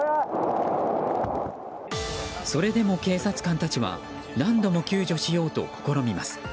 それでも警察官たちは何度も救助しようと試みます。